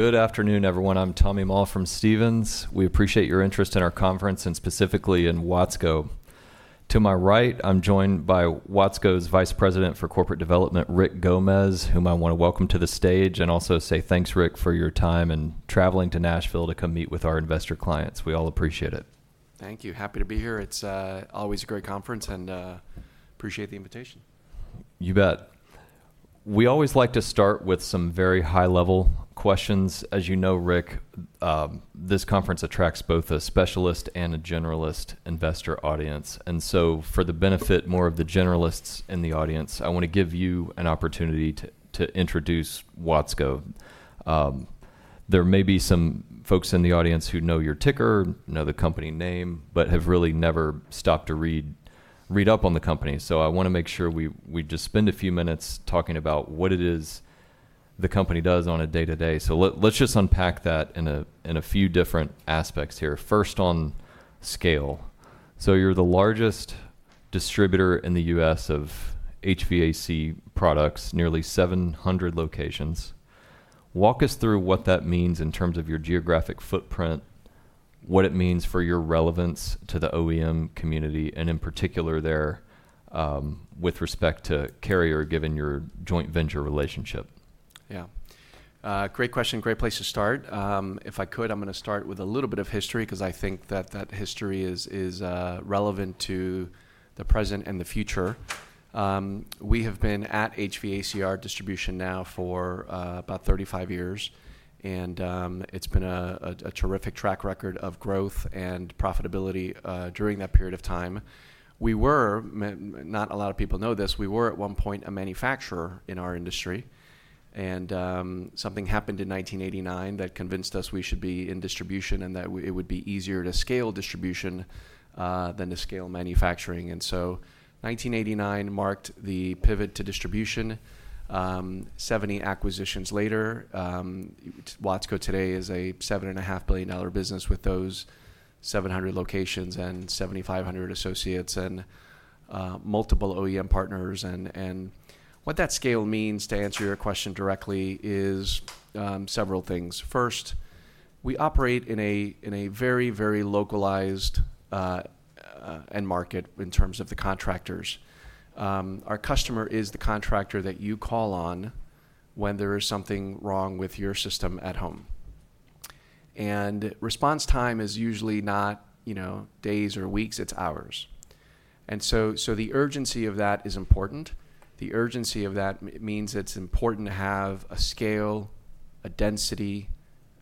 Good afternoon, everyone. I'm Tommy Moll from Stephens. We appreciate your interest in our conference, and specifically in Watsco. To my right, I'm joined by Watsco's Vice President for Corporate Development, Rick Gomez, whom I want to welcome to the stage and also say thanks, Rick, for your time and traveling to Nashville to come meet with our investor clients. We all appreciate it. Thank you. Happy to be here. It's always a great conference, and I appreciate the invitation. You bet. We always like to start with some very high-level questions. As you know, Rick, this conference attracts both a specialist and a generalist investor audience, and so, for the benefit more of the generalists in the audience, I want to give you an opportunity to introduce Watsco. There may be some folks in the audience who know your ticker, know the company name, but have really never stopped to read up on the company. So I want to make sure we just spend a few minutes talking about what it is the company does on a day-to-day, so let's just unpack that in a few different aspects here. First, on scale, so you're the largest distributor in the U.S. of HVAC products, nearly 700 locations. Walk us through what that means in terms of your geographic footprint, what it means for your relevance to the OEM community, and in particular there with respect to Carrier, given your joint venture relationship? Yeah. Great question. Great place to start. If I could, I'm going to start with a little bit of history, because I think that that history is relevant to the present and the future. We have been at HVACR distribution now for about 35 years, and it's been a terrific track record of growth and profitability during that period of time. We were, not a lot of people know this, we were at one point a manufacturer in our industry. And something happened in 1989 that convinced us we should be in distribution and that it would be easier to scale distribution than to scale manufacturing. And so 1989 marked the pivot to distribution. 70 acquisitions later, Watsco today is a $7.5 billion business with those 700 locations and 7,500 associates and multiple OEM partners. And what that scale means, to answer your question directly, is several things. First, we operate in a very, very localized end market in terms of the contractors. Our customer is the contractor that you call on when there is something wrong with your system at home. And response time is usually not days or weeks. It's hours. And so the urgency of that is important. The urgency of that means it's important to have a scale, a density,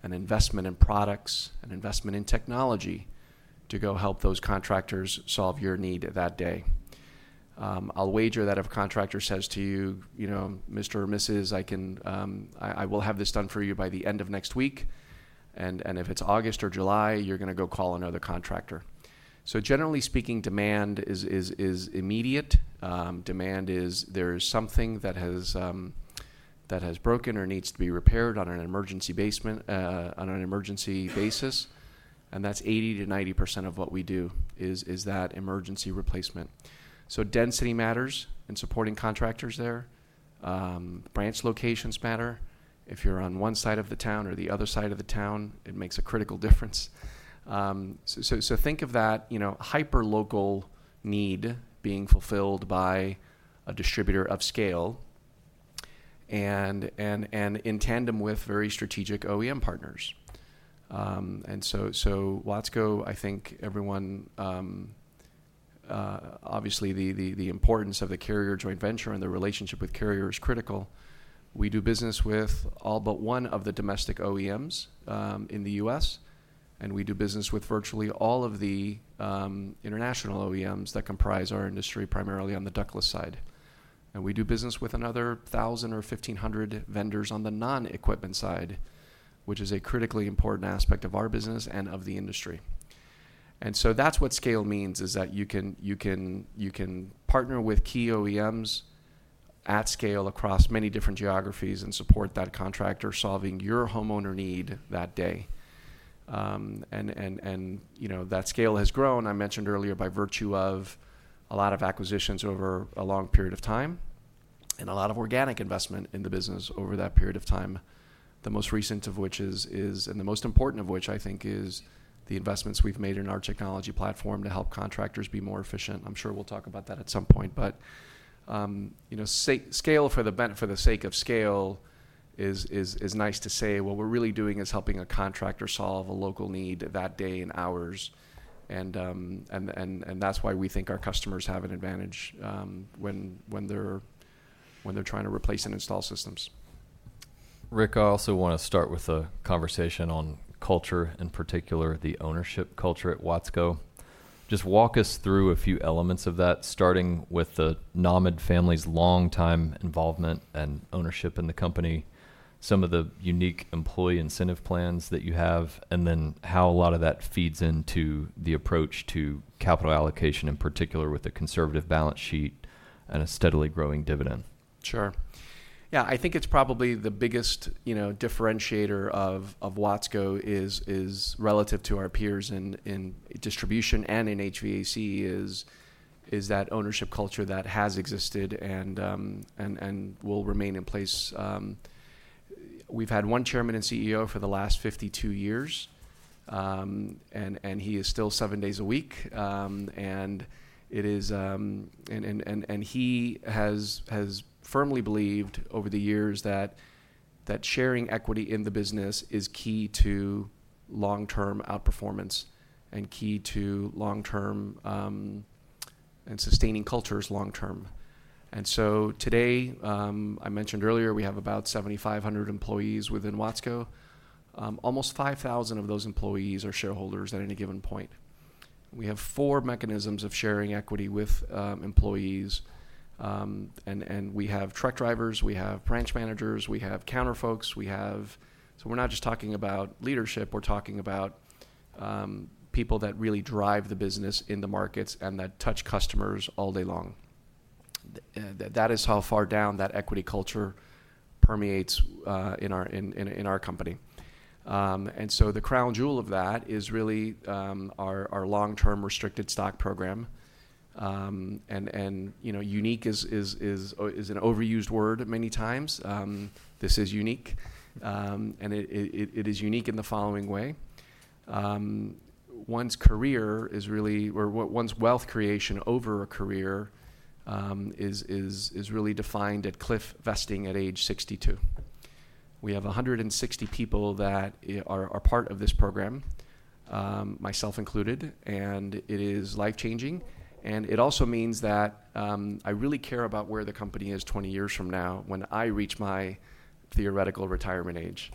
an investment in products, an investment in technology to go help those contractors solve your need that day. I'll wager that if a contractor says to you, "Mr. or Mrs., I will have this done for you by the end of next week." And if it's August or July, you're going to go call another contractor. So generally speaking, demand is immediate. Demand is there's something that has broken or needs to be repaired on an emergency basis. That's 80%-90% of what we do is that emergency replacement. So density matters in supporting contractors there. Branch locations matter. If you're on one side of the town or the other side of the town, it makes a critical difference. So think of that hyperlocal need being fulfilled by a distributor of scale and in tandem with very strategic OEM partners. And so Watsco, I think everyone obviously the importance of the Carrier joint venture and the relationship with Carrier is critical. We do business with all but one of the domestic OEMs in the U.S. And we do business with virtually all of the international OEMs that comprise our industry, primarily on the ductless side. And we do business with another 1,000 or 1,500 vendors on the non-equipment side, which is a critically important aspect of our business and of the industry. And so that's what scale means, is that you can partner with key OEMs at scale across many different geographies and support that contractor solving your homeowner need that day. And that scale has grown, I mentioned earlier, by virtue of a lot of acquisitions over a long period of time and a lot of organic investment in the business over that period of time, the most recent of which is, and the most important of which, I think, is the investments we've made in our technology platform to help contractors be more efficient. I'm sure we'll talk about that at some point. But scale, for the sake of scale, is nice to say, what we're really doing is helping a contractor solve a local need that day in hours. And that's why we think our customers have an advantage when they're trying to replace and install systems. Rick, I also want to start with a conversation on culture, in particular the ownership culture at Watsco. Just walk us through a few elements of that, starting with the Nahmad family's long-time involvement and ownership in the company, some of the unique employee incentive plans that you have, and then how a lot of that feeds into the approach to capital allocation, in particular with the conservative balance sheet and a steadily growing dividend. Sure. Yeah, I think it's probably the biggest differentiator of Watsco relative to our peers in distribution and in HVAC is that ownership culture that has existed and will remain in place. We've had one chairman and CEO for the last 52 years, and he is still seven days a week. He has firmly believed over the years that sharing equity in the business is key to long-term outperformance and key to long-term and sustaining cultures long-term. So today, I mentioned earlier, we have about 7,500 employees within Watsco. Almost 5,000 of those employees are shareholders at any given point. We have four mechanisms of sharing equity with employees. We have truck drivers. We have branch managers. We have counter folks. So we're not just talking about leadership. We're talking about people that really drive the business in the markets and that touch customers all day long. That is how far down that equity culture permeates in our company. And so the crown jewel of that is really our long-term restricted stock program. And unique is an overused word many times. This is unique. And it is unique in the following way. One's career is really, or one's wealth creation over a career is really defined at cliff vesting at age 62. We have 160 people that are part of this program, myself included. And it is life-changing. And it also means that I really care about where the company is 20 years from now when I reach my theoretical retirement age.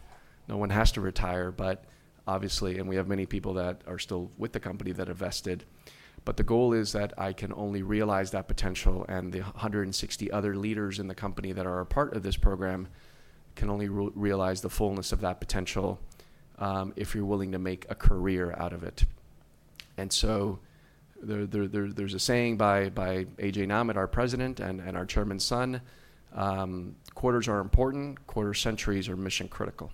No one has to retire, but obviously, and we have many people that are still with the company that have vested. The goal is that I can only realize that potential, and the 160 other leaders in the company that are a part of this program can only realize the fullness of that potential if you're willing to make a career out of it. And so there's a saying by A.J. Nahmad, our president and our chairman's son, quarters are important. Quarter centuries are mission critical.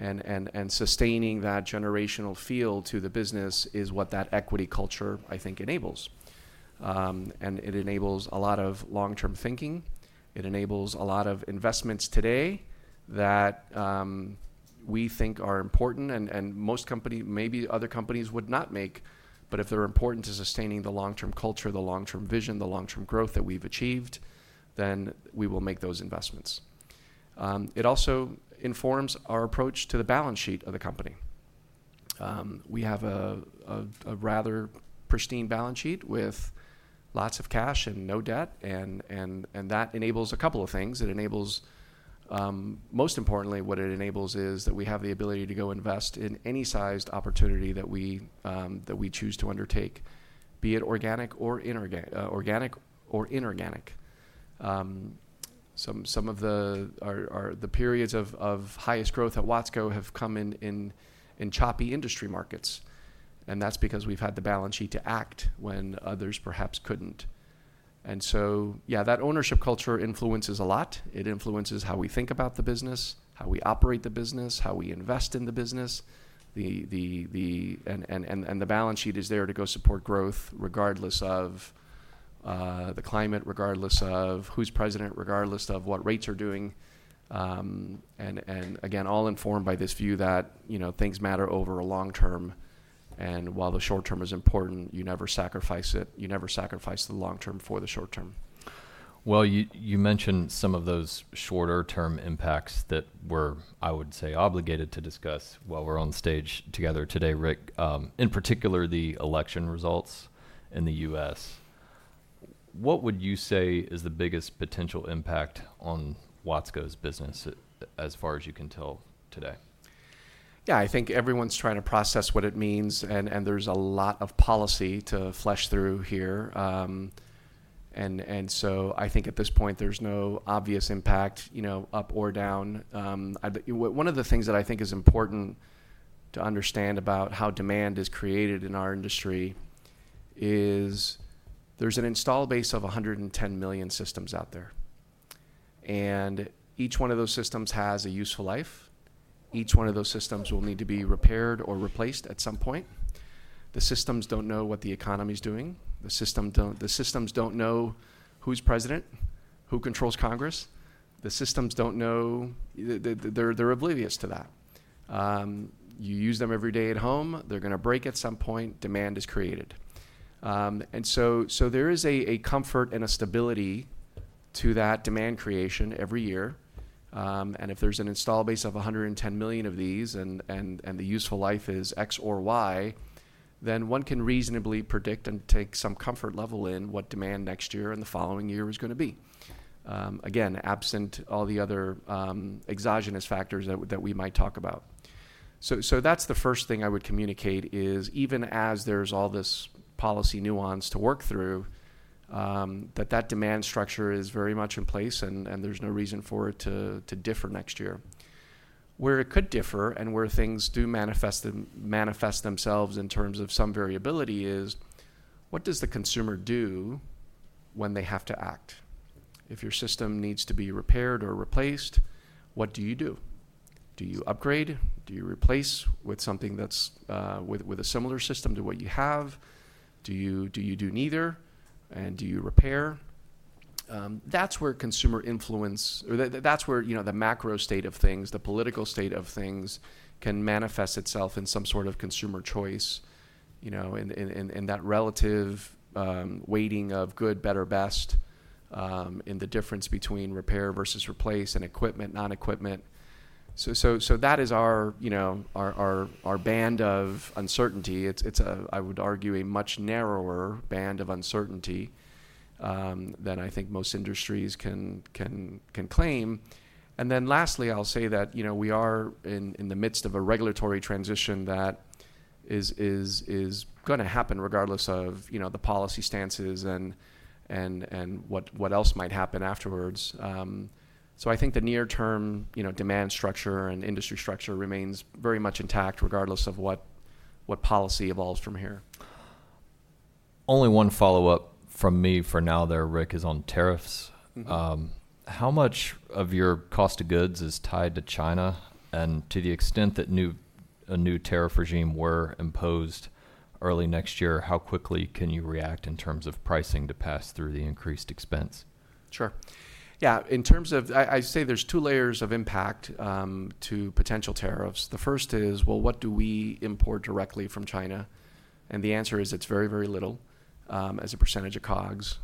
And sustaining that generational feel to the business is what that equity culture, I think, enables. And it enables a lot of long-term thinking. It enables a lot of investments today that we think are important. And most companies, maybe other companies, would not make. But if they're important to sustaining the long-term culture, the long-term vision, the long-term growth that we've achieved, then we will make those investments. It also informs our approach to the balance sheet of the company. We have a rather pristine balance sheet with lots of cash and no debt, and that enables a couple of things. It enables, most importantly, what it enables is that we have the ability to go invest in any sized opportunity that we choose to undertake, be it organic or inorganic. Some of the periods of highest growth at Watsco have come in choppy industry markets, and that's because we've had the balance sheet to act when others perhaps couldn't. And so, yeah, that ownership culture influences a lot. It influences how we think about the business, how we operate the business, how we invest in the business, and the balance sheet is there to go support growth, regardless of the climate, regardless of who's president, regardless of what rates are doing, and again, all informed by this view that things matter over a long term. While the short term is important, you never sacrifice it. You never sacrifice the long term for the short term. You mentioned some of those shorter-term impacts that we're, I would say, obligated to discuss while we're on stage together today, Rick, in particular the election results in the U.S. What would you say is the biggest potential impact on Watsco's business as far as you can tell today? Yeah, I think everyone's trying to process what it means, and there's a lot of policy to flesh through here, and so I think at this point, there's no obvious impact up or down. One of the things that I think is important to understand about how demand is created in our industry is there's an installed base of 110 million systems out there. And each one of those systems has a useful life. Each one of those systems will need to be repaired or replaced at some point. The systems don't know what the economy's doing. The systems don't know who's president, who controls Congress. The systems don't know. They're oblivious to that. You use them every day at home. They're going to break at some point. Demand is created, and so there is a comfort and a stability to that demand creation every year. And if there's an install base of 110 million of these and the useful life is X or Y, then one can reasonably predict and take some comfort level in what demand next year and the following year is going to be. Again, absent all the other exogenous factors that we might talk about. So that's the first thing I would communicate is, even as there's all this policy nuance to work through, that that demand structure is very much in place and there's no reason for it to differ next year. Where it could differ and where things do manifest themselves in terms of some variability is, what does the consumer do when they have to act? If your system needs to be repaired or replaced, what do you do? Do you upgrade? Do you replace with something that's with a similar system to what you have? Do you do neither? And do you repair? That's where consumer influence, or that's where the macro state of things, the political state of things can manifest itself in some sort of consumer choice, in that relative weighting of good, better, best, in the difference between repair versus replace and equipment, non-equipment. So that is our band of uncertainty. It's, I would argue, a much narrower band of uncertainty than I think most industries can claim. And then lastly, I'll say that we are in the midst of a regulatory transition that is going to happen regardless of the policy stances and what else might happen afterwards. So I think the near-term demand structure and industry structure remains very much intact regardless of what policy evolves from here. Only one follow-up from me for now there, Rick, is on tariffs. How much of your cost of goods is tied to China? And to the extent that a new tariff regime were imposed early next year, how quickly can you react in terms of pricing to pass through the increased expense? Sure. Yeah, in terms of, I say there's two layers of impact to potential tariffs. The first is, well, what do we import directly from China? And the answer is it's very, very little as a percentage of COGS.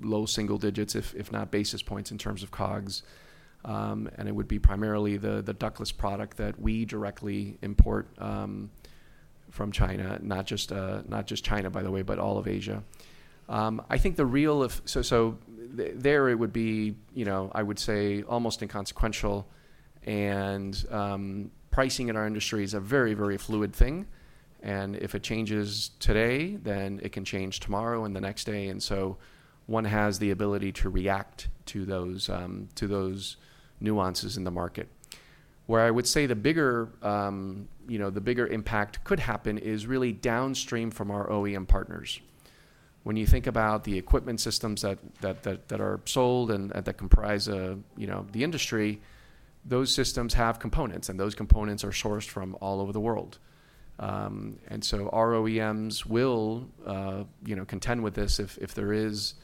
Low single digits, if not basis points in terms of COGS. And it would be primarily the ductless product that we directly import from China, not just China, by the way, but all of Asia. I think the real of, so there it would be, I would say, almost inconsequential. And pricing in our industry is a very, very fluid thing. And if it changes today, then it can change tomorrow and the next day. And so one has the ability to react to those nuances in the market. Where I would say the bigger impact could happen is really downstream from our OEM partners. When you think about the equipment systems that are sold and that comprise the industry, those systems have components. And those components are sourced from all over the world. And so our OEMs will contend with this if there is.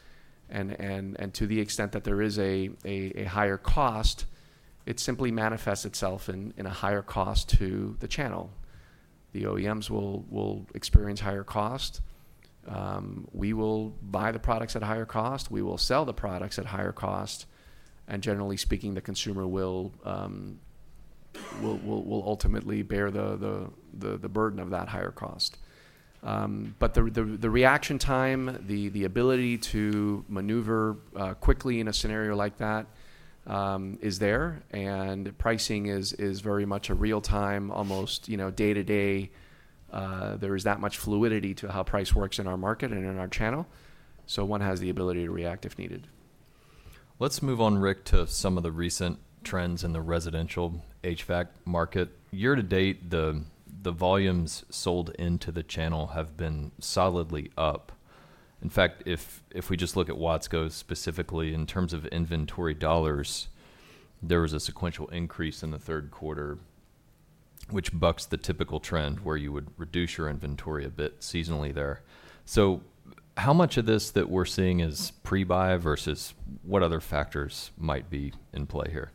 And to the extent that there is a higher cost, it simply manifests itself in a higher cost to the channel. The OEMs will experience higher cost. We will buy the products at a higher cost. We will sell the products at a higher cost. And generally speaking, the consumer will ultimately bear the burden of that higher cost. But the reaction time, the ability to maneuver quickly in a scenario like that is there. And pricing is very much a real-time, almost day-to-day. There is that much fluidity to how price works in our market and in our channel. So one has the ability to react if needed. Let's move on, Rick, to some of the recent trends in the residential HVAC market. Year to date, the volumes sold into the channel have been solidly up. In fact, if we just look at Watsco specifically in terms of inventory dollars, there was a sequential increase in the third quarter, which bucks the typical trend where you would reduce your inventory a bit seasonally there. So how much of this that we're seeing is pre-buy versus what other factors might be in play here?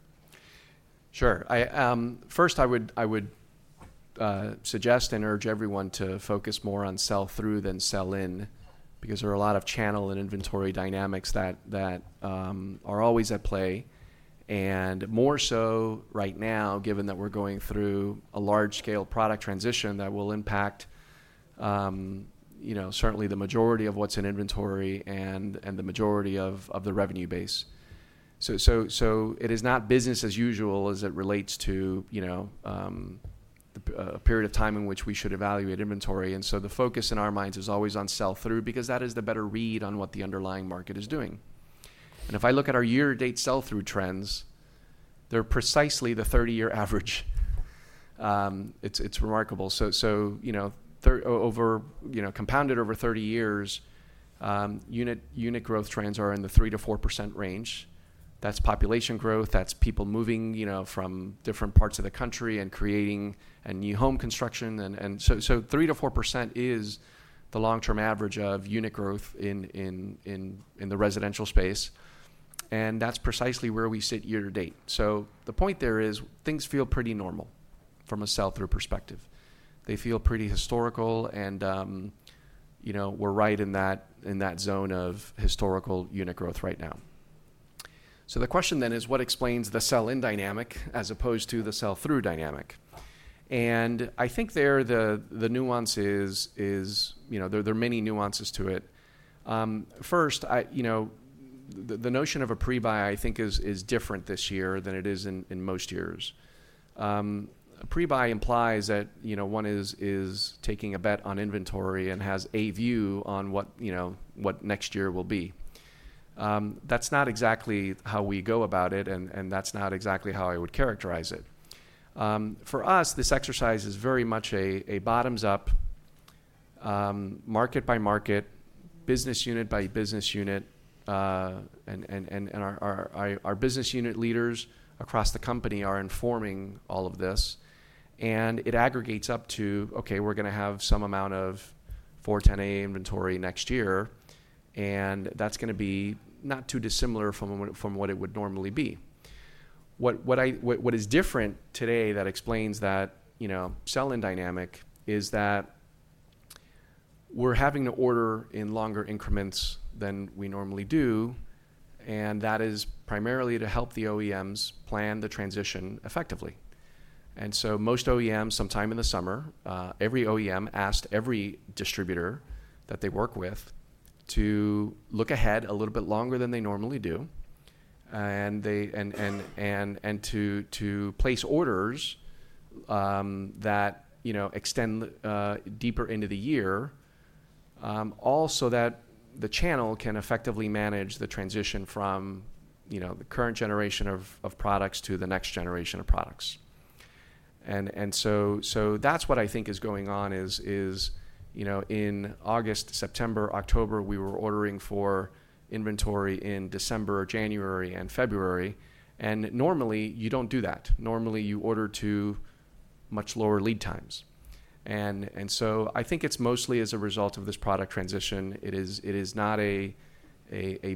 Sure. First, I would suggest and urge everyone to focus more on sell-through than sell-in because there are a lot of channel and inventory dynamics that are always at play. And more so right now, given that we're going through a large-scale product transition that will impact certainly the majority of what's in inventory and the majority of the revenue base. So it is not business as usual as it relates to a period of time in which we should evaluate inventory. And so the focus in our minds is always on sell-through because that is the better read on what the underlying market is doing. And if I look at our year-to-date sell-through trends, they're precisely the 30-year average. It's remarkable. So compounded over 30 years, unit growth trends are in the 3% to 4% range. That's population growth. That's people moving from different parts of the country and creating a new home construction, and so 3%-4% is the long-term average of unit growth in the residential space. That's precisely where we sit year to date. The point there is things feel pretty normal from a sell-through perspective. They feel pretty historical, and we're right in that zone of historical unit growth right now. The question then is, what explains the sell-in dynamic as opposed to the sell-through dynamic? I think there the nuance is there are many nuances to it. First, the notion of a pre-buy, I think, is different this year than it is in most years. A pre-buy implies that one is taking a bet on inventory and has a view on what next year will be. That's not exactly how we go about it. That's not exactly how I would characterize it. For us, this exercise is very much a bottoms-up, market by market, business unit by business unit. Our business unit leaders across the company are informing all of this. It aggregates up to, okay, we're going to have some amount of 410A inventory next year. That's going to be not too dissimilar from what it would normally be. What is different today that explains that sell-in dynamic is that we're having to order in longer increments than we normally do. That is primarily to help the OEMs plan the transition effectively. Most OEMs, sometime in the summer, every OEM asked every distributor that they work with to look ahead a little bit longer than they normally do. And to place orders that extend deeper into the year, all so that the channel can effectively manage the transition from the current generation of products to the next generation of products. And so that's what I think is going on is in August, September, October, we were ordering for inventory in December, January, and February. And normally, you don't do that. Normally, you order to much lower lead times. And so I think it's mostly as a result of this product transition. It is not a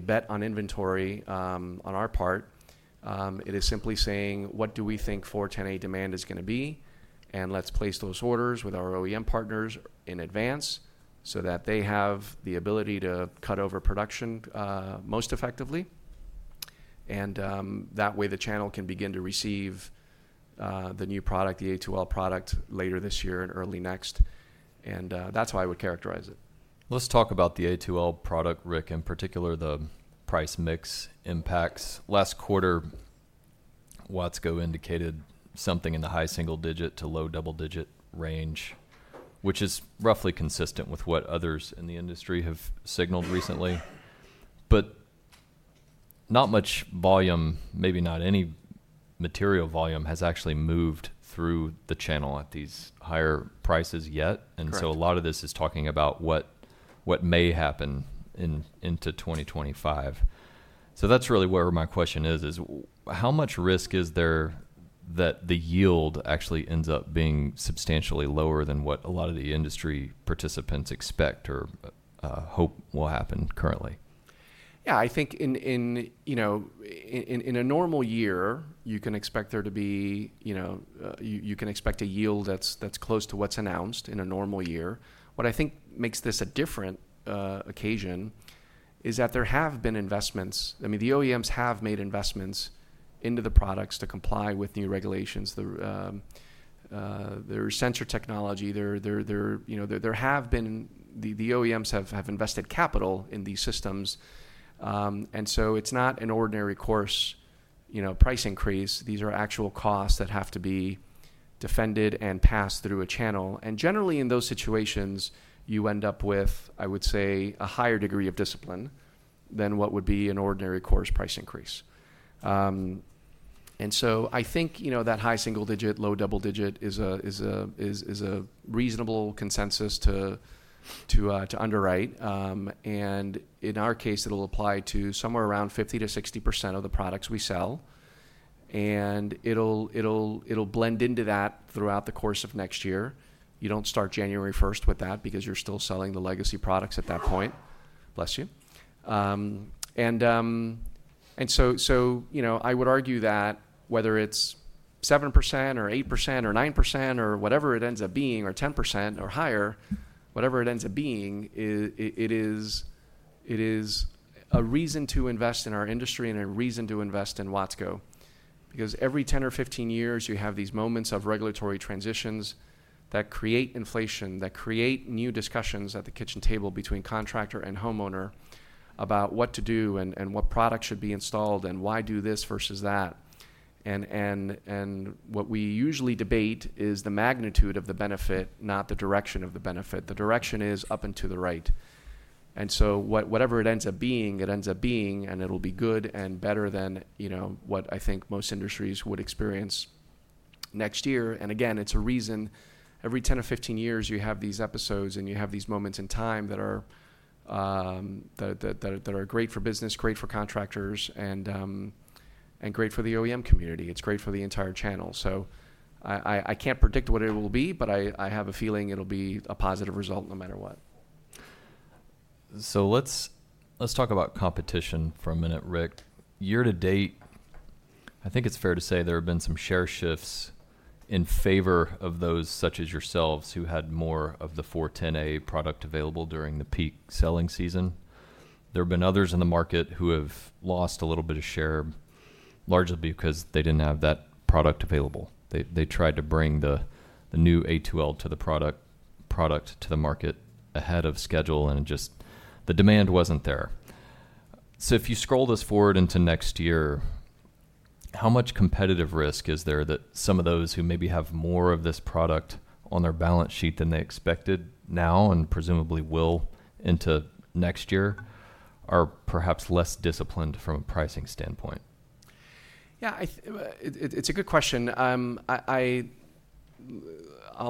bet on inventory on our part. It is simply saying, what do we think 410A demand is going to be? And let's place those orders with our OEM partners in advance so that they have the ability to cut over production most effectively. And that way, the channel can begin to receive the new product, the A2L product, later this year and early next. And that's how I would characterize it. Let's talk about the A2L product, Rick, in particular the price mix impacts. Last quarter, Watsco indicated something in the high single digit to low double digit range, which is roughly consistent with what others in the industry have signaled recently. But not much volume, maybe not any material volume, has actually moved through the channel at these higher prices yet. And so a lot of this is talking about what may happen into 2025. So that's really where my question is, is how much risk is there that the yield actually ends up being substantially lower than what a lot of the industry participants expect or hope will happen currently? Yeah, I think in a normal year, you can expect there to be a yield that's close to what's announced in a normal year. What I think makes this a different occasion is that there have been investments. I mean, the OEMs have made investments into the products to comply with new regulations. There's sensor technology. There have been. The OEMs have invested capital in these systems, so it's not an ordinary course price increase. These are actual costs that have to be defended and passed through a channel. And generally, in those situations, you end up with, I would say, a higher degree of discipline than what would be an ordinary course price increase, so I think that high single digit, low double digit is a reasonable consensus to underwrite. In our case, it'll apply to somewhere around 50%-60% of the products we sell. It'll blend into that throughout the course of next year. You don't start January 1st with that because you're still selling the legacy products at that point, bless you. I would argue that whether it's 7% or 8% or 9% or whatever it ends up being or 10% or higher, whatever it ends up being, it is a reason to invest in our industry and a reason to invest in Watsco. Because every 10 or 15 years, you have these moments of regulatory transitions that create inflation, that create new discussions at the kitchen table between contractor and homeowner about what to do and what product should be installed and why do this versus that. And what we usually debate is the magnitude of the benefit, not the direction of the benefit. The direction is up and to the right. And so whatever it ends up being, it ends up being. And it'll be good and better than what I think most industries would experience next year. And again, it's a reason every 10 or 15 years, you have these episodes and you have these moments in time that are great for business, great for contractors, and great for the OEM community. It's great for the entire channel. So I can't predict what it will be, but I have a feeling it'll be a positive result no matter what. So let's talk about competition for a minute, Rick. Year to date, I think it's fair to say there have been some share shifts in favor of those such as yourselves who had more of the 410A product available during the peak selling season. There have been others in the market who have lost a little bit of share, largely because they didn't have that product available. They tried to bring the new A2L product to the market ahead of schedule. And just the demand wasn't there. So if you roll this forward into next year, how much competitive risk is there that some of those who maybe have more of this product on their balance sheet than they expected now and presumably will into next year are perhaps less disciplined from a pricing standpoint? Yeah, it's a good question. I'll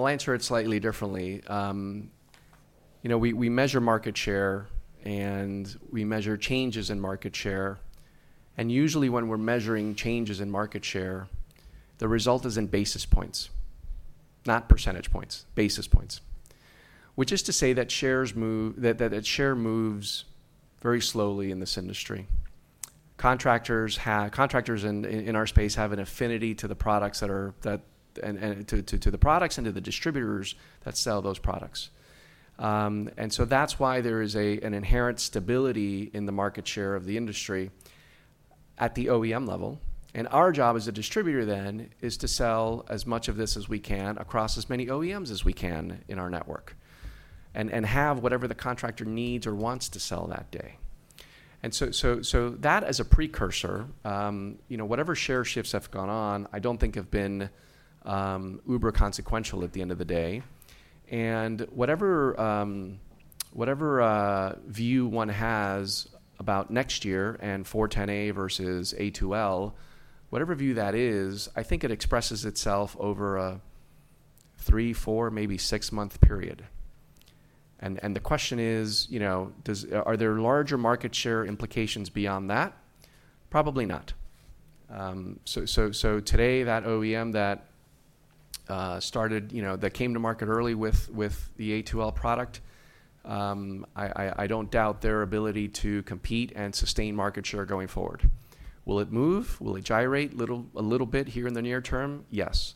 answer it slightly differently. We measure market share and we measure changes in market share. And usually, when we're measuring changes in market share, the result is in basis points, not percentage points, basis points. Which is to say that share moves very slowly in this industry. Contractors in our space have an affinity to the products and to the products and to the distributors that sell those products. And so that's why there is an inherent stability in the market share of the industry at the OEM level. And our job as a distributor then is to sell as much of this as we can across as many OEMs as we can in our network and have whatever the contractor needs or wants to sell that day. And so that as a precursor, whatever share shifts have gone on, I don't think have been uber consequential at the end of the day. And whatever view one has about next year and 410A versus A2L, whatever view that is, I think it expresses itself over a three, four, maybe six-month period. And the question is, are there larger market share implications beyond that? Probably not. So today, that OEM that came to market early with the A2L product, I don't doubt their ability to compete and sustain market share going forward. Will it move? Will it gyrate a little bit here in the near term? Yes.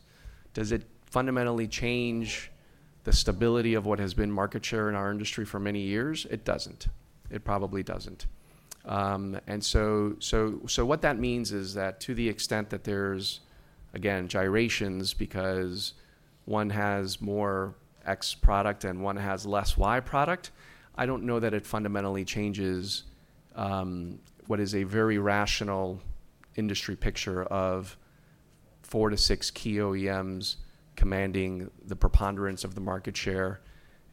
Does it fundamentally change the stability of what has been market share in our industry for many years? It doesn't. It probably doesn't. And so what that means is that to the extent that there's, again, gyrations because one has more X product and one has less Y product, I don't know that it fundamentally changes what is a very rational industry picture of four to six key OEMs commanding the preponderance of the market share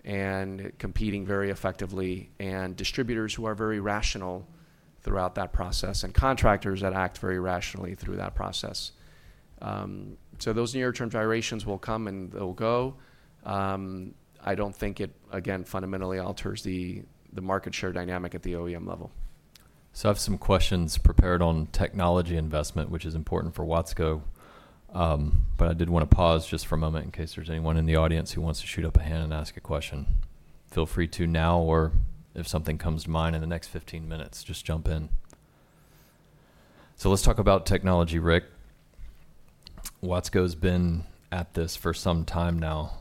and competing very effectively and distributors who are very rational throughout that process and contractors that act very rationally through that process. So those near-term gyrations will come and they'll go. I don't think it, again, fundamentally alters the market share dynamic at the OEM level. So I have some questions prepared on technology investment, which is important for Watsco. But I did want to pause just for a moment in case there's anyone in the audience who wants to shoot up a hand and ask a question. Feel free to now or if something comes to mind in the next 15 minutes, just jump in. So let's talk about technology, Rick. Watsco has been at this for some time now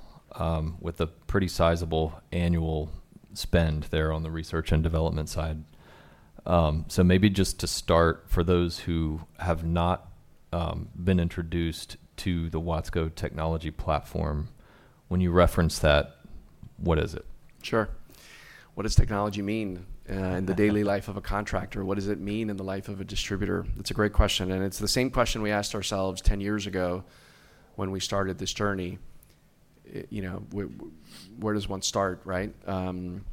with a pretty sizable annual spend there on the research and development side. So maybe just to start, for those who have not been introduced to the Watsco technology platform, when you reference that, what is it? Sure. What does technology mean in the daily life of a contractor? What does it mean in the life of a distributor? That's a great question, and it's the same question we asked ourselves 10 years ago when we started this journey. Where does one start, right, and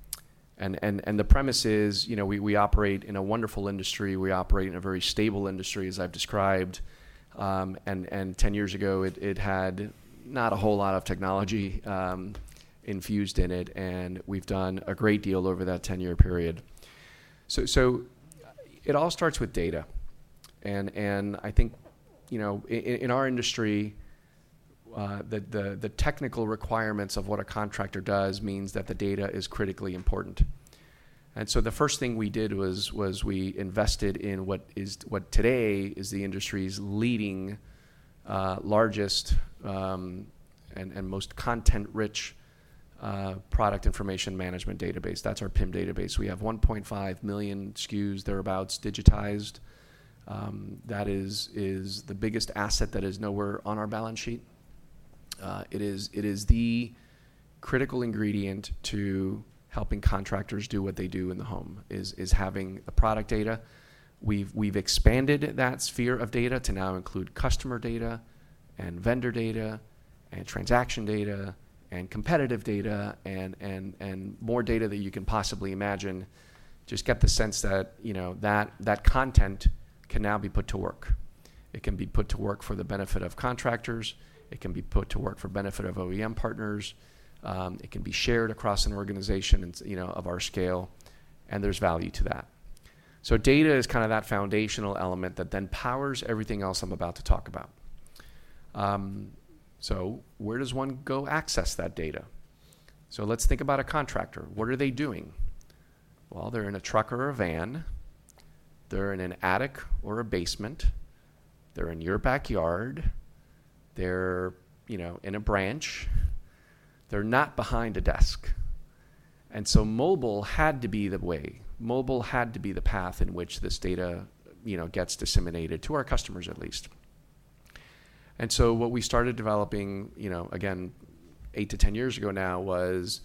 the premise is we operate in a wonderful industry. We operate in a very stable industry, as I've described, and 10 years ago, it had not a whole lot of technology infused in it, and we've done a great deal over that 10-year period, so it all starts with data, and I think in our industry, the technical requirements of what a contractor does means that the data is critically important, and so the first thing we did was we invested in what today is the industry's leading largest and most content-rich product information management database. That's our PIM database. We have 1.5 million SKUs thereabouts digitized. That is the biggest asset that is nowhere on our balance sheet. It is the critical ingredient to helping contractors do what they do in the home is having the product data. We've expanded that sphere of data to now include customer data and vendor data and transaction data and competitive data and more data that you can possibly imagine. Just get the sense that that content can now be put to work. It can be put to work for the benefit of contractors. It can be put to work for the benefit of OEM partners. It can be shared across an organization of our scale. And there's value to that. So data is kind of that foundational element that then powers everything else I'm about to talk about. So where does one go access that data? So let's think about a contractor. What are they doing? Well, they're in a truck or a van. They're in an attic or a basement. They're in your backyard. They're in a branch. They're not behind a desk. And so mobile had to be the way. Mobile had to be the path in which this data gets disseminated to our customers, at least. And so what we started developing, again, 8-10 years ago now was,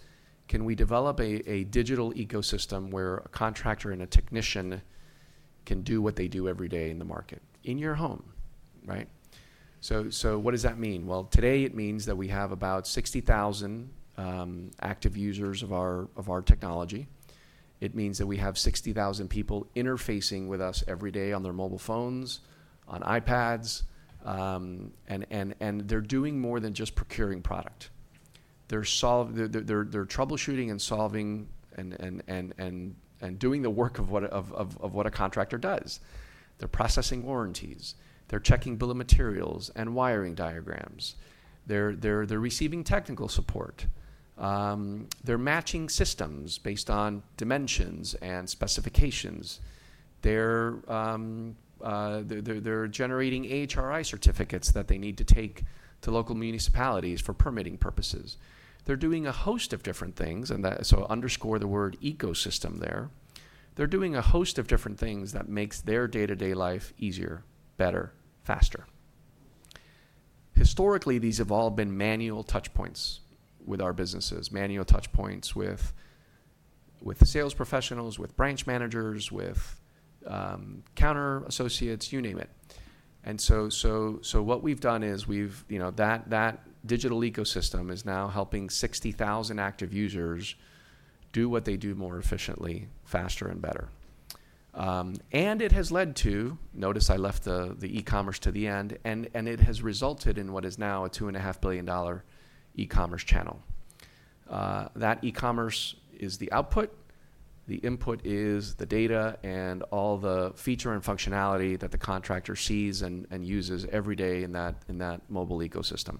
can we develop a digital ecosystem where a contractor and a technician can do what they do every day in the market in your home, right? So what does that mean? Well, today, it means that we have about 60,000 active users of our technology. It means that we have 60,000 people interfacing with us every day on their mobile phones, on iPads. And they're doing more than just procuring product. They're troubleshooting and solving and doing the work of what a contractor does. They're processing warranties. They're checking bill of materials and wiring diagrams. They're receiving technical support. They're matching systems based on dimensions and specifications. They're generating AHRI certificates that they need to take to local municipalities for permitting purposes. They're doing a host of different things. And so underscore the word ecosystem there. They're doing a host of different things that makes their day-to-day life easier, better, faster. Historically, these have all been manual touchpoints with our businesses, manual touchpoints with sales professionals, with branch managers, with counter associates, you name it. And so what we've done is that digital ecosystem is now helping 60,000 active users do what they do more efficiently, faster, and better. And it has led to, notice I left the e-commerce to the end, and it has resulted in what is now a $2.5 billion e-commerce channel. That e-commerce is the output. The input is the data and all the feature and functionality that the contractor sees and uses every day in that mobile ecosystem.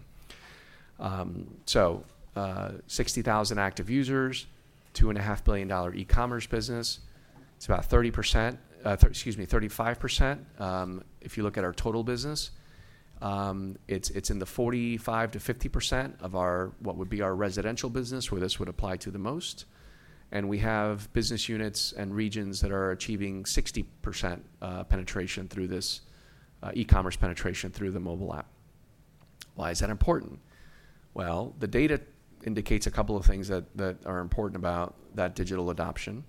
So 60,000 active users, $2.5 billion e-commerce business. It's about 30%, excuse me, 35% if you look at our total business. It's in the 45%-50% of what would be our residential business where this would apply to the most. And we have business units and regions that are achieving 60% penetration through this e-commerce penetration through the mobile app. Why is that important? Well, the data indicates a couple of things that are important about that digital adoption.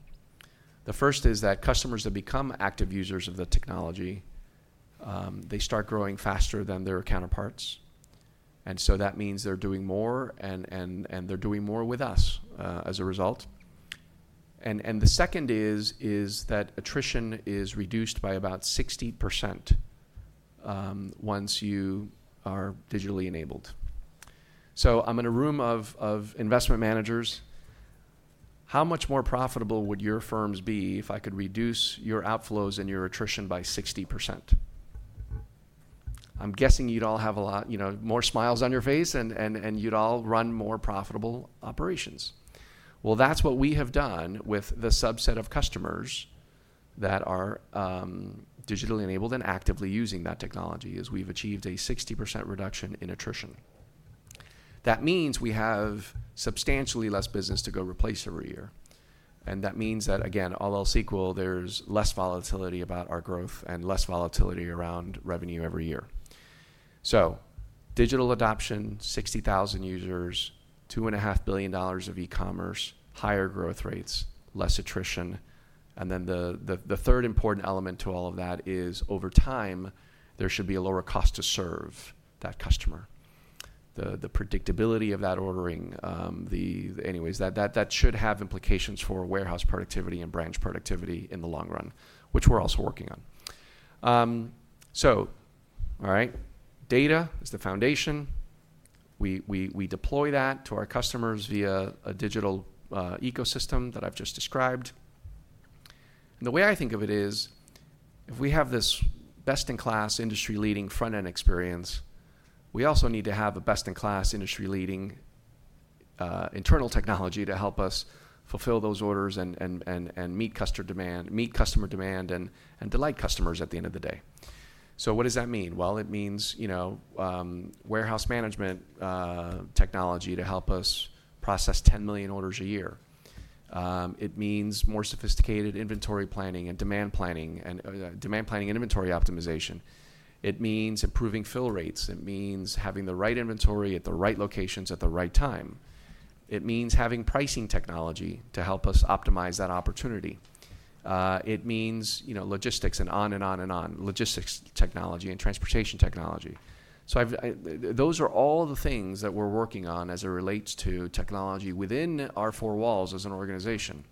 The first is that customers that become active users of the technology, they start growing faster than their counterparts, and so that means they're doing more and they're doing more with us as a result, and the second is that attrition is reduced by about 60% once you are digitally enabled, so I'm in a room of investment managers. How much more profitable would your firms be if I could reduce your outflows and your attrition by 60%? I'm guessing you'd all have a lot more smiles on your face and you'd all run more profitable operations, well, that's what we have done with the subset of customers that are digitally enabled and actively using that technology as we've achieved a 60% reduction in attrition. That means we have substantially less business to go replace every year. And that means that, again, all else equal, there's less volatility about our growth and less volatility around revenue every year. So digital adoption, 60,000 users, $2.5 billion of e-commerce, higher growth rates, less attrition. And then the third important element to all of that is over time, there should be a lower cost to serve that customer. The predictability of that ordering, anyways, that should have implications for warehouse productivity and branch productivity in the long run, which we're also working on. So, all right, data is the foundation. We deploy that to our customers via a digital ecosystem that I've just described. And the way I think of it is if we have this best-in-class industry-leading front-end experience, we also need to have a best-in-class industry-leading internal technology to help us fulfill those orders and meet customer demand and delight customers at the end of the day. So what does that mean? Well, it means warehouse management technology to help us process 10 million orders a year. It means more sophisticated inventory planning and demand planning and inventory optimization. It means improving fill rates. It means having the right inventory at the right locations at the right time. It means having pricing technology to help us optimize that opportunity. It means logistics and on and on and on, logistics technology and transportation technology. So those are all the things that we're working on as it relates to technology within our four walls as an organization.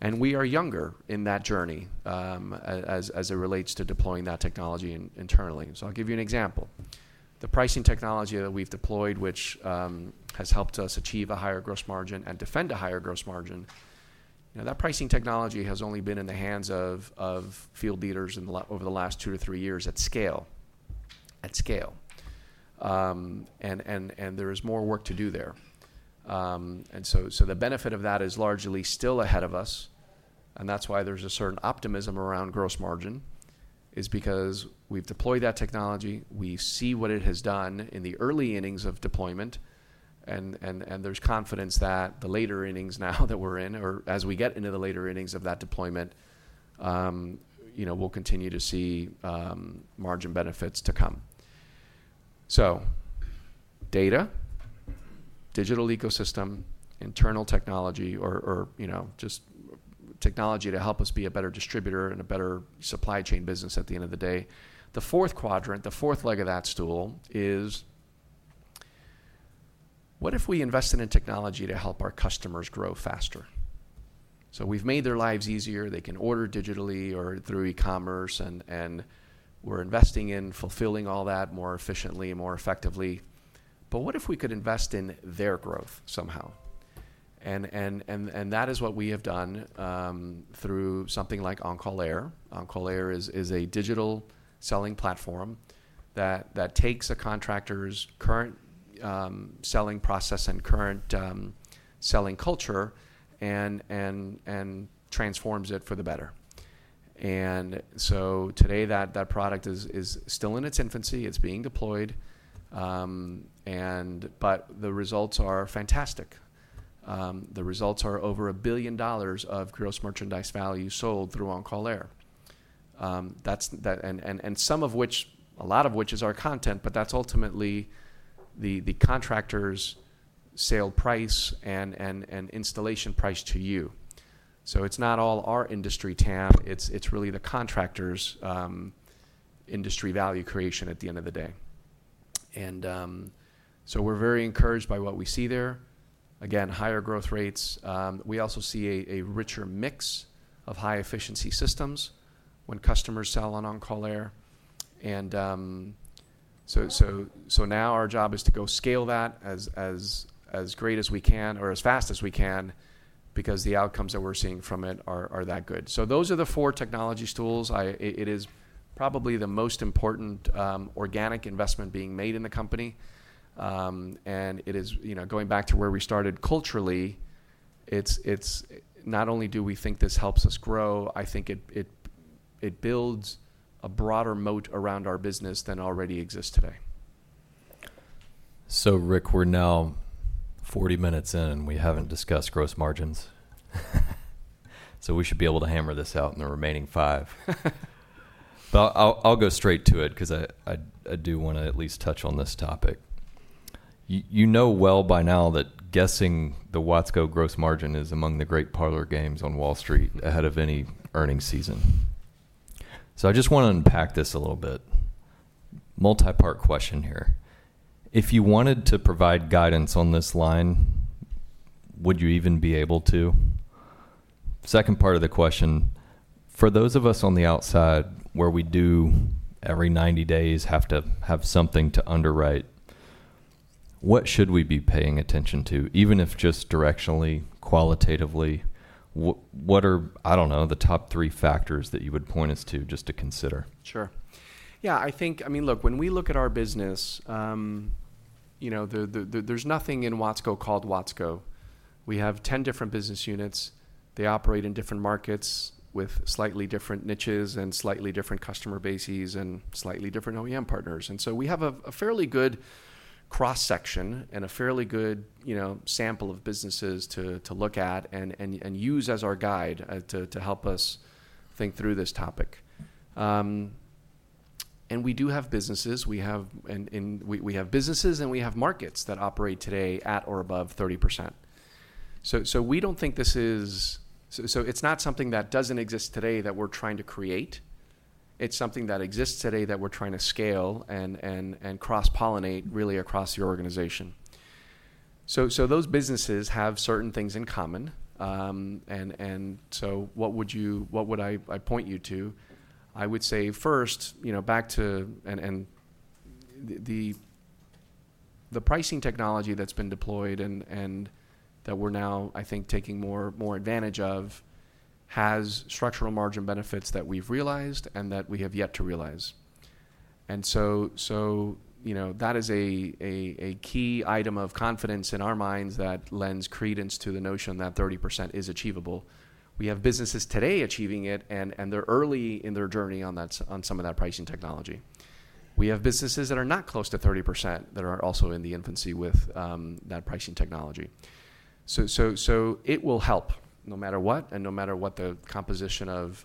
And we are younger in that journey as it relates to deploying that technology internally. So I'll give you an example. The pricing technology that we've deployed, which has helped us achieve a higher gross margin and defend a higher gross margin, that pricing technology has only been in the hands of field leaders over the last two to three years at scale, and there is more work to do there, and so the benefit of that is largely still ahead of us, and that's why there's a certain optimism around gross margin is because we've deployed that technology. We see what it has done in the early innings of deployment, and there's confidence that the later innings now that we're in or as we get into the later innings of that deployment, we'll continue to see margin benefits to come, so data, digital ecosystem, internal technology, or just technology to help us be a better distributor and a better supply chain business at the end of the day. The fourth quadrant, the fourth leg of that stool is what if we invested in technology to help our customers grow faster? So we've made their lives easier. They can order digitally or through e-commerce. And we're investing in fulfilling all that more efficiently, more effectively. But what if we could invest in their growth somehow? And that is what we have done through something like OnCall Air. OnCall Air is a digital selling platform that takes a contractor's current selling process and current selling culture and transforms it for the better. And so today, that product is still in its infancy. It's being deployed. But the results are fantastic. The results are over $1 billion of gross merchandise value sold through OnCall Air. And some of which, a lot of which is our content, but that's ultimately the contractor's sale price and installation price to you. So it's not all our industry, Tom. It's really the contractor's industry value creation at the end of the day. And so we're very encouraged by what we see there. Again, higher growth rates. We also see a richer mix of high-efficiency systems when customers sell on OnCall Air. And so now our job is to go scale that as great as we can or as fast as we can because the outcomes that we're seeing from it are that good. So those are the four technology stools. It is probably the most important organic investment being made in the company. And going back to where we started culturally, not only do we think this helps us grow, I think it builds a broader moat around our business than already exists today. So Rick, we're now 40 minutes in, and we haven't discussed gross margins. So we should be able to hammer this out in the remaining five. But I'll go straight to it because I do want to at least touch on this topic. You know well by now that guessing the Watsco gross margin is among the great parlor games on Wall Street ahead of any earnings season. So I just want to unpack this a little bit. Multi-part question here. If you wanted to provide guidance on this line, would you even be able to? Second part of the question. For those of us on the outside where we do every 90 days have to have something to underwrite, what should we be paying attention to, even if just directionally, qualitatively? What are, I don't know, the top three factors that you would point us to just to consider? Sure. Yeah. I mean, look, when we look at our business, there's nothing in Watsco called Watsco. We have 10 different business units. They operate in different markets with slightly different niches and slightly different customer bases and slightly different OEM partners. And so we have a fairly good cross-section and a fairly good sample of businesses to look at and use as our guide to help us think through this topic. And we do have businesses. We have businesses and we have markets that operate today at or above 30%. So we don't think this is so it's not something that doesn't exist today that we're trying to create. It's something that exists today that we're trying to scale and cross-pollinate really across your organization. So those businesses have certain things in common. And so what would I point you to? I would say first, back to the pricing technology that's been deployed and that we're now, I think, taking more advantage of has structural margin benefits that we've realized and that we have yet to realize, and so that is a key item of confidence in our minds that lends credence to the notion that 30% is achievable. We have businesses today achieving it, and they're early in their journey on some of that pricing technology. We have businesses that are not close to 30% that are also in the infancy with that pricing technology, so it will help no matter what and no matter what the composition of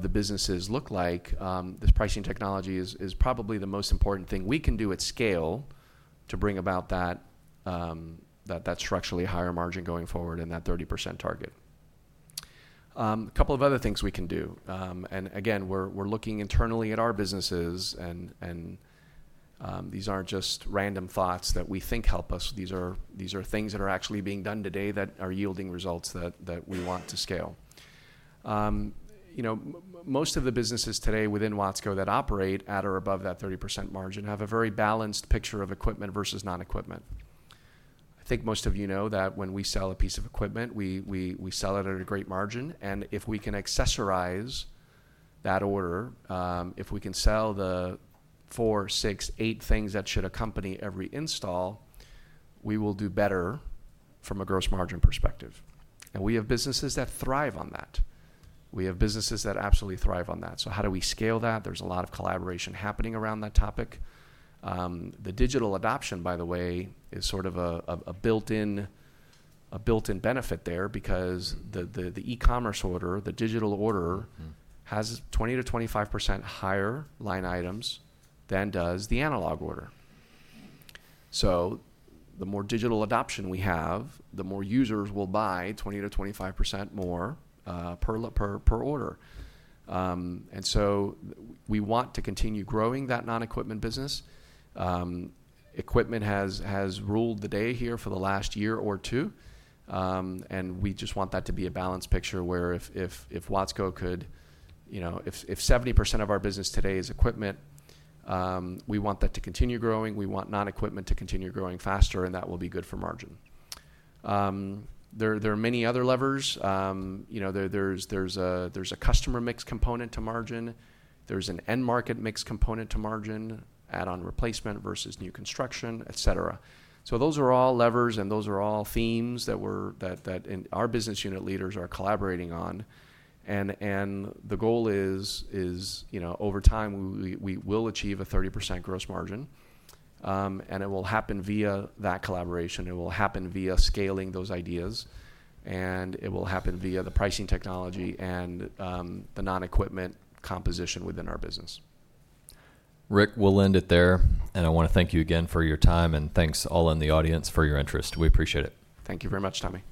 the businesses look like. This pricing technology is probably the most important thing we can do at scale to bring about that structurally higher margin going forward and that 30% target. A couple of other things we can do. Again, we're looking internally at our businesses. These aren't just random thoughts that we think help us. These are things that are actually being done today that are yielding results that we want to scale. Most of the businesses today within Watsco that operate at or above that 30% margin have a very balanced picture of equipment versus non-equipment. I think most of you know that when we sell a piece of equipment, we sell it at a great margin. If we can accessorize that order, if we can sell the four, six, eight things that should accompany every install, we will do better from a gross margin perspective. We have businesses that thrive on that. We have businesses that absolutely thrive on that. How do we scale that? There's a lot of collaboration happening around that topic. The digital adoption, by the way, is sort of a built-in benefit there because the e-commerce order, the digital order has 20%-25% higher line items than does the analog order. So the more digital adoption we have, the more users will buy 20%-25% more per order. We want to continue growing that non-equipment business. Equipment has ruled the day here for the last year or two. We just want that to be a balanced picture where if 70% of our business today is equipment, we want that to continue growing. We want non-equipment to continue growing faster, and that will be good for margin. There are many other levers. There is a customer mix component to margin. There is an end market mix component to margin, add-on replacement versus new construction, etc. So those are all levers, and those are all themes that our business unit leaders are collaborating on. And the goal is, over time, we will achieve a 30% gross margin. And it will happen via that collaboration. It will happen via scaling those ideas. And it will happen via the pricing technology and the non-equipment composition within our business. Rick, we'll end it there. And I want to thank you again for your time. And thanks all in the audience for your interest. We appreciate it. Thank you very much, Tommy.